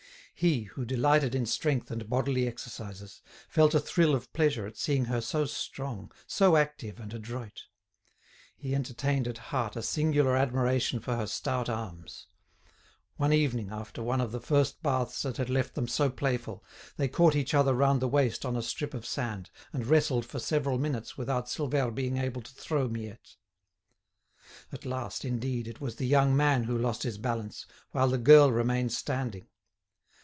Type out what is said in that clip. He, who delighted in strength and bodily exercises, felt a thrill of pleasure at seeing her so strong, so active and adroit. He entertained at heart a singular admiration for her stout arms. One evening, after one of the first baths that had left them so playful, they caught each other round the waist on a strip of sand, and wrestled for several minutes without Silvère being able to throw Miette. At last, indeed, it was the young man who lost his balance, while the girl remained standing.